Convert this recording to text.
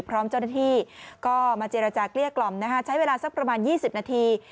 พร้อมเจ้าหน้าที่ก็มาเจรจาเกลี้ยกล่อมใช้เวลาสักประมาณ๒๐นาที